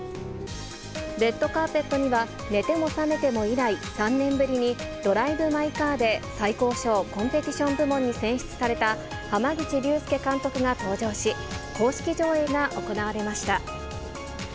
レッドカーペットには、寝ても覚めても以来、３年ぶりにドライブ・マイ・カーで、最高賞、コンペティション部門に選出された、濱口竜介監督が登場し、公式上映が行われました。